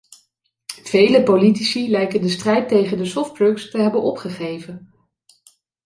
Vele politici lijken de strijd tegen de soft drugs te hebben opgegeven.